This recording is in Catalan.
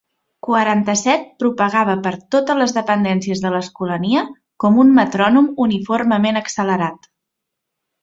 Quaranta-set propagava per totes les dependències de l'Escolania com un metrònom uniformement accelerat.